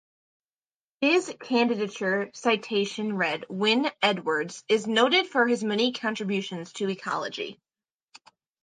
His candidature citation read Wynne-Edwards is noted for his many contributions to ecology.